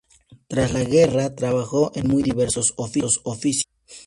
Tras la guerra trabajó en muy diversos oficios.